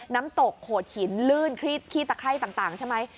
น้ำตกโขดหินลื่นขี้ตะไคร้ต่างใช่ไหม